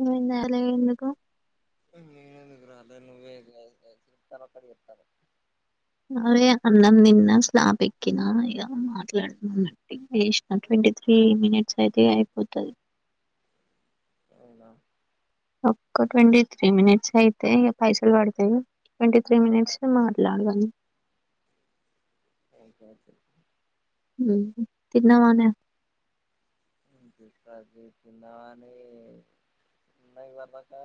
ఉమ్ ఎాల ఎందుకు. నేను ఎందుకురా నువ్వు పడి ఎతాల అదే అన్నం తిన్న స్లాబ్ ఎక్కిన ఇంక మాట్లాడుతున్నా. చేసిన ట్వంటీ త్రీ మినిట్స్ అయితే అయిపోతది అవునా ఒక్క ట్వంటీ త్రీ మినిట్స్ అయితే ఇక పైసలు పడుతాయి ట్వంటీ త్రీ మినిట్స్ మాట్లాడదాం. [unintelligible] హు తిన్నావా నే తిన్నామ అని ఉన్న ఇదివారి దాకా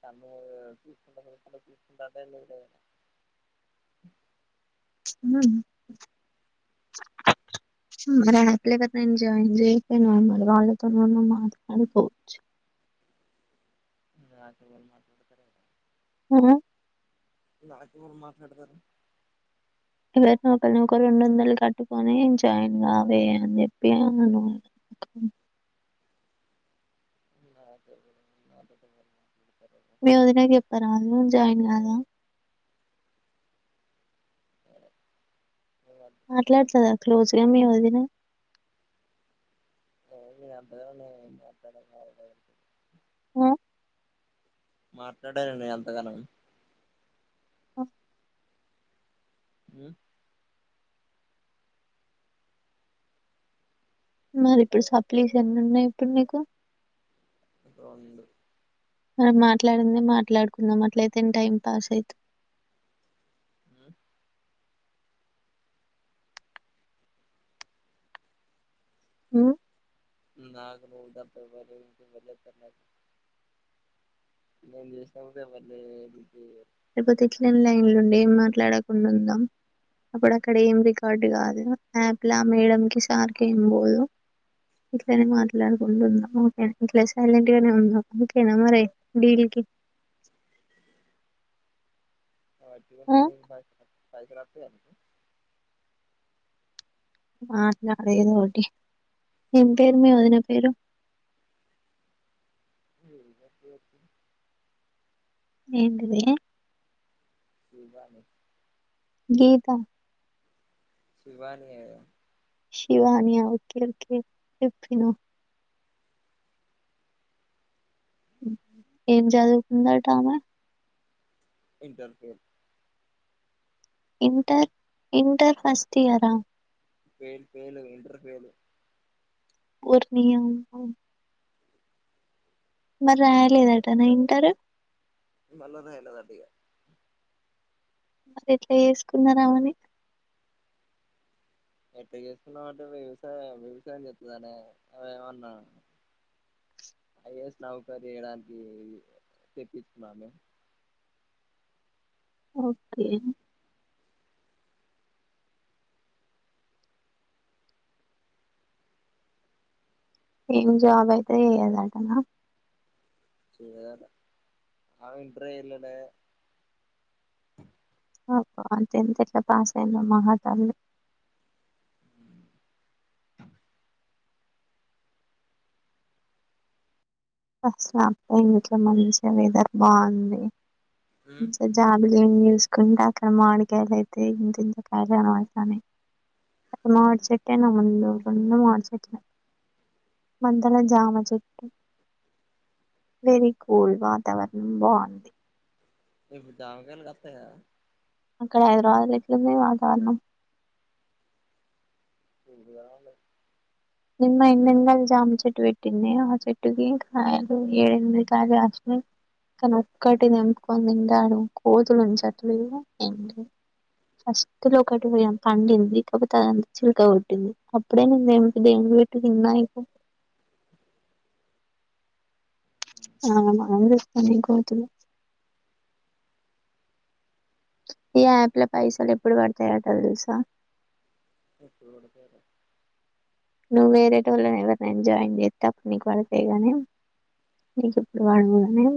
కళ్ళు మూసి చూసుకుంటా చ చూసుకుంటాదే లేదు [inaudible] హు అఖిల అక్క తో జాయిన్ చేయకపోయినా వాళ్లతో కూడా మాట్లాడుకోవచ్చు దాంట్లోనే ఎవడు మాట్లాడుతారే ఆ దాంతో మాట్లాడుతారు ఎవరు న ఒకరి నొకరు రెండు వందలు కట్టుకొని జాయిన్ గా వే అని చెప్పి అను అదే [unintelligible] మీ వదినకు చెప్ప రాదు జాయిన్ కాగా మాట్లాడుతదా క్లోజ్ గా, గా మీ వదిన ఆ అంత గానం ఎమో మాట్లాడను, హు మాట్లాడాను నే నేను అంతగనం ఆ హు మరి ఇప్పుడు సప్లీస్ ఎన్నన్నాయి ఇప్పుడు నీకు రెండు మనం మాట్లాడిందే మాట్లాడుకుందాం అట్లయితే టైం పాస్ అయితా హు హు నాకు నువ్వు తప్ప ఎవరు చేస్తారు ఎవ్వరు చేయతారు నేను చేసిన కూడా ఎవ్వరు లిఫ్ట్ చేయరు లేకపోతే ఇట్లనే లైన్లుండి ఏం మాట్లాడకుండా ఉందాం అప్పుడు అక్కడ ఏం రికార్డు కాదు యాప్లా వేయడంకీ సార్కీ ఏం పోదు ఇట్లనే మాట్లాడకుండా ఉందాం ఓకేనా ఇట్లా సైలెంట్ గానే ఉందాం ఓకేనా మరి డీల్ కి వట్టిగుంటే ఆ నీకు పై పైసలు వస్తాయా నీకు, మాటలాడు ఏదో ఒకటి ఎం పేరు మీ వదిన పేరు, [unintelligible] ఏంటిది శివాని గీత శివాని ఏ శివాని యా ఓకే ఓకే చెప్పినవు ఏం చదువుకుంద అట ఆమె inter fail inter inter first year హ ఫెయిల్ ఫెయిల్ ఇంటర్ ఫెయిల్ ఓరి నీ యమ్మ మరి రాయలేదటన ఇంటర్ రు మల్ల రాయలేదట ఇగ మరి ఎట్లా చేసుకున్నారు అమని ఎట్ట చేసుకున్నామంటే వ్యవసాయం వ్యవసాయం చెతుందనే ఏమన్నా ఐఎస్ నౌకర్ చేయడానికి తెప్పించుకున్నాము ఓకే ఏం జాబ్ అయితే చేయాదాటన చెయ్యదట ఆమె ఇంటర్ యే యెలాలే పాపం టెన్త్ ఎట్లా పాస్ అయిందో మహాతల్లీ, ఫస్ట్ టైం ఇట్లా వెదర్ టైం మంచిగా వెదర్ బాగుంది ఉమ్ [unintelligible] జా [unintelligible] మీకు దామకాయలు కత్తయ. అక్కడ హైదరాబాద్ లో ఎట్లుంది వాతావరణం. [unintelligible] నిన్న ఎండెం జామ చెట్టు పెట్టింది ఆ చెట్టుకి కాయలు ఏడ ఎనిమిది కాయలు కాసినయ్ కానీ ఒక్కటి తేపుకొని తింటే అడుగు కోతులు ఉంచట్లేదు అండ్ ఫస్ట్లో ఒకటి పో పండింది కపోతే అదంతా చిలక కొట్టింది అప్పుడే నేను. [unintelligible] ఆ మల్ల మళ్ళొస్తున్నాయ్ కోతులు. ఈ యాప్ల పైసలు ఎప్పుడు పడతాయటా తెలుసా. ఎప్పుడు పడతాయట. నువ్వు వేరే టోళ్లను ఎవరిని అయినా జాయిన్ జెతే అప్పుడు నీకు పడతయ్ గాని నీకు ఇప్పుడు పడయ్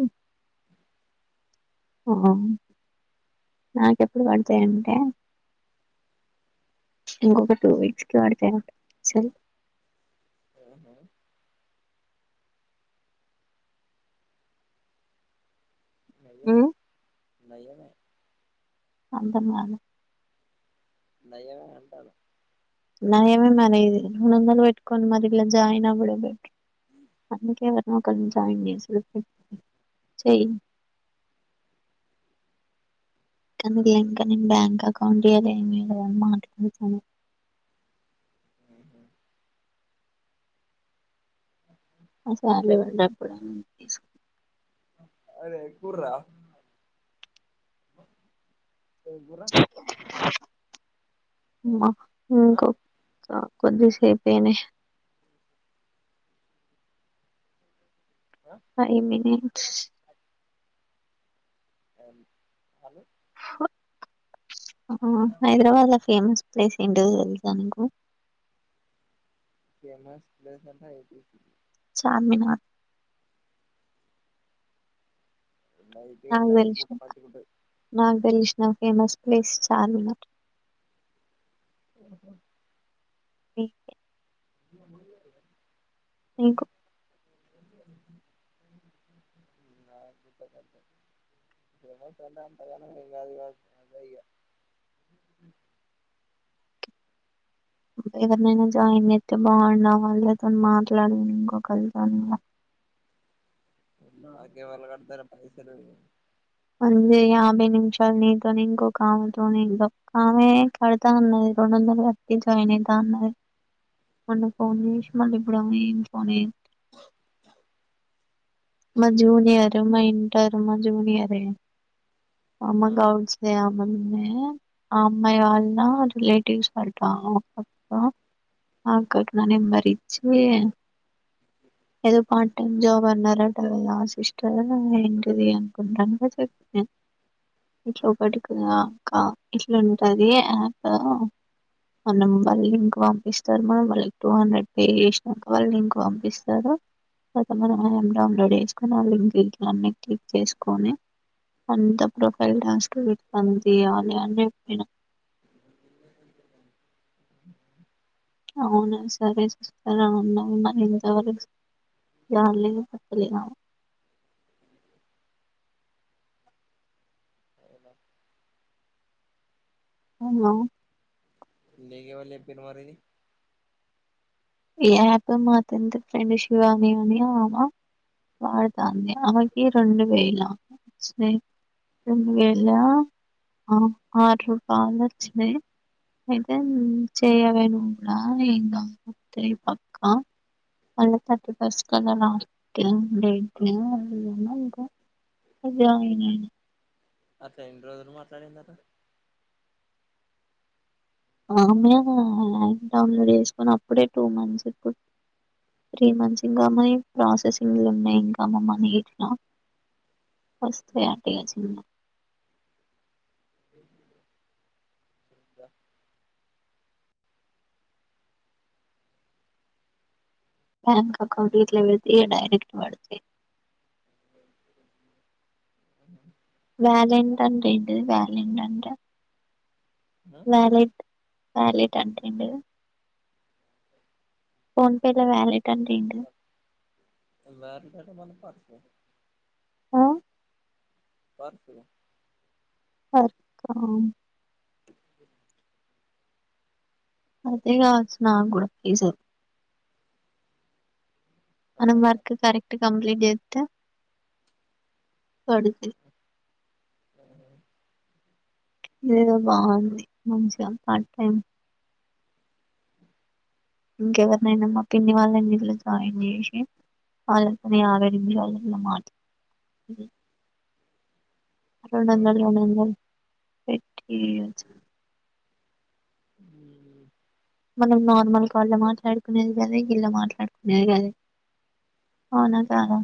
అ. నాకెప్పుడు పడతాయి అంటే ఇంకొక టూ వీక్స్ కి పడతాయి అంట సో. ఆహా. నయమే నయమే. అందమైన. నయమే అంటన్న. నయమే మరి ఇది వందలు పెట్టుకోనీ మరి ఇలా జాయిన్ అవ్వడం. అందుకే వ. మా అక్కను జాయిన్ చేసుడు చెయ్యి. కానీ దే ఇంకా నేను బ్యాంక్ అకౌంట్ ఇయ్యాలే ఏమి ఇయ్యిలేదమ్మా. [unintelligible] అది ఎక్కుర్రా రా. [inaudible] ఆ [inaudible] కొద్దిసేపేనే. ఆ పై మినిట్స్. [unintelligible] అ హైదరాబాద్ ల ఫేమస్. ప్లేస్ ఏంట తెలుసాకు నీకు. ఫేమస్ ప్లేస్ అంటే ఏ పి పి. చార్మినార్. నైట్ నాకు నైట్ పూట తెలిసిన ఒక మంచిగుంటది నాకు తెలిసిన ఫేమస్. ప్లేస్ చార్మినార్. ఓహో. [inaudible] [inaudible] ఇంకో. [unintelligible] ఎవరినైనా జాయిన్ జీత్తే బాగుండు వాళ్ళుతోని మాట్లాడ ఇంకో కోలితో. నాకెవరల్లు కడ్తరే పైసలు. యాభై నిమిషాలు నీతో ఇంకోక ఆమెతోనీ ఆమె కడతా అన్నది రెండు వందలు కట్టి జాయిన్ అయిత అన్నది మొన్న ఫోన్ చేసి మళ్ళీ ఇప్పుడ. మ జూనియర్. మ ఇంటర్ మ జూనియర్. అ అమ ఆ గవుడ్ అమ్మను అమ్మా వాళ్ళనా రిలేటివ్స్ వళ్ళంతా అప్పు అకాకి న నే మరిచ్చ ఏదో పార్ టైం జాబ్ అన్నారంట సిస్టర్ ఎంటిది అనుకుంటను ఇ చెప్ను ఇట్లా ఒకటికింకా ఇట్లాంటుంది యాప్ మనం వాళ్ళు లింక్ పంపిస్తారు మనం వాళ్ళకి టూ హండ్రెడ్ పే చేసినాక వాళ్ళు లింక్ పంపిస్తారు తర్వాత మనం ఆ యాప్ డౌన్లోడ్ చేసుకొని ఆ లింక్ ఇంట్లో నే క్లిక్ చేసుకొని అంత ప్రొఫైల్ టాస్క్ వితుంది అని అని చెప్పిన అవును సరేస్తార అ ఉన్నావు మ ఇంతవరకు జాలలేదు పక్కలిగాము హలో నీకు ఎవళ్ళు చెప్పిండ్రు మరి ఈ యాప్ మాతోంది ఫ్రెండ్ శివాని అని ఆమె వాడుతాంది. ఆమెకి రెండు వేల చ్చినాయ్, రెండు వేల ఆ ఆరు రూపాయల చ్చినయ్ అయితే చేయలేను నా ఇంగ. తేపక్క [unintelligible] అట్లా ఎన్ని రోజులు మాట్లాడిందట ఆమె యాప్ డౌన్లోడ్ చేసుకుని అప్పుడే టూ మంత్స్ ఇప్పుడు త్రీ మంత్స్ ఇంగా మనీ ప్రాసెసింగ్ లో ఉన్నాయి. ఇంకా మా మనీ ఇట్లా వస్తే హ్యాపీ గా చిన్న. బ్యాంక్ అకౌంట్ గిట్ల వెడితే ఇగ డైరెక్ట్ వడుతయ్ ఆ హ వాలెంటన్ అంటే ఏంటిది వాలెంన్ టంటే ఆ వాలెట్ వాలిట్ అంటేండి ఫోన్పేలో వాలెట్ అంటే ఏంటిది? ఆ వాటి కంటే మంది పాత వ ఆ వర్క్ వర్క్ ఆ అదే కావచ్ నాగ్గూడా ఈసావ్ మనం అర్థం వర్క్ కాలే కరెక్ట్ కంప్లీట్ చేత్తే పడుక మ్మ్ హ్ ఏదో బాగుంది మంచిగా పార్ టైం ఇంకెవరినైనా మ్మా పిన్ని వాళ్ళను ఇందులో జాయిన్ చేసి, వాళ్ళతోని యాభై నిమిషాలు ఇంగ మాట్లా రెండు వందలు ఆహా రెండు వందలు [unintelligible] మనం నార్మల్ కాళ్ళు మాట్లాడుకునేది కదా ఇళ మాట్లాడుకునేది కదా అవునా కదా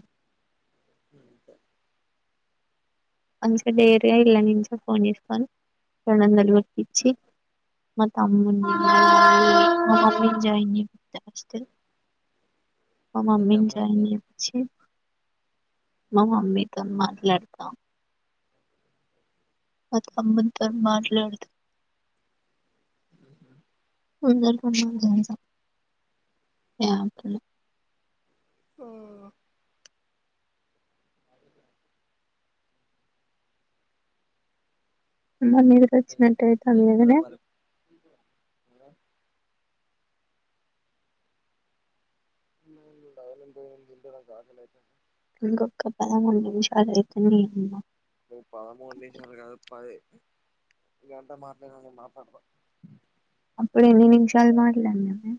అస డేర్గా ఇల్లాని ఫోన్ చేసుకోను రెండు వందలు పాపిచ్చి మా తమ్ముని జాయిన్ మమ అ మీ మిన తమ్మునిదా జయిని వచ్చి మా మమ్మీతో మాట్లాడతాం అత అబంతర్ మట్లడుత [unintelligible] ఓ మా మీదకు వచ్చినట్టయిత ఏం మీ కూర మరి వల ఇద కాల అతే ఇంకొక పదమూడు నిమిషాలు అయిత నేన్నా నువ్వు పదమూడు నిమిషాలు కాదు పది ఇది అంత మాటలు అన్ని మాట్లాడ కూడదు అప్పుడు ఎన్ని నిమిషాలు మాట్లాడినే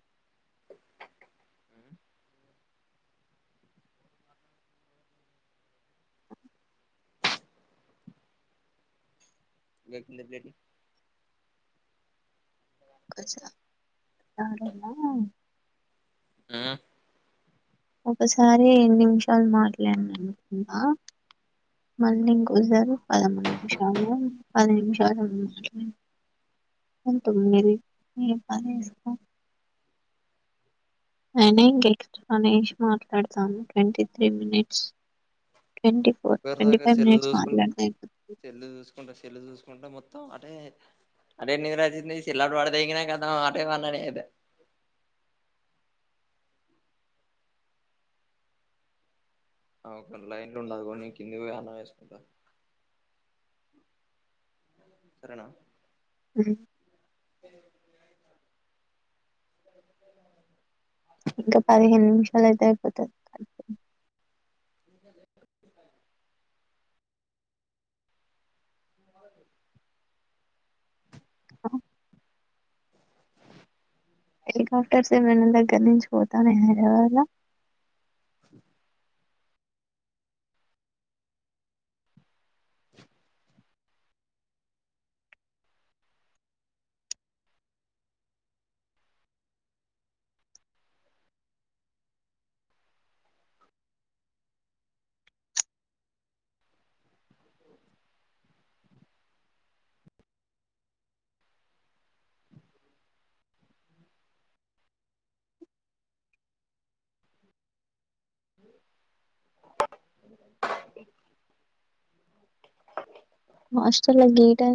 వకిందటి ఒకసారి ఆ ఒకసారి ఎన్ని నిమిషాలు మాట్లాడి అనుకున్నా మళ్ళీ ఇంకొసరు పదమూడు నిమిషాలు పది నిమిషాలు మాట్లా తొమ్మిదిస్తా నేనే ఇంకెక్స్ట్ అనేసి మాట్లాడతాను twenty three minutes twenty four ఇంరు ట్వంటీ దాకా ఫైవ్ చెల్లు మినిట్స్ చూసుకు మాట్లాడితే అయిపోతుంది చెల్లు చూసుకుంటే చెల్లు చూసుకుంటే మొత్తం [unintelligible] క లైంట్లు ఉండదు కొనీ నే కింది అన్నం వేసుకుంటా సరేనా సరిే అ అ ఇంకా పదిహేను నిమిషాల అయితే అయిపోతుంది ఆ హెలికాప్టర్స్ే మేన్న దగ్గర నుంచి పోతానే హైదవాళ మస్టల్ గ టై